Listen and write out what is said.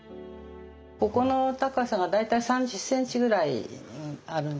ここの高さが大体３０センチぐらいあるんです。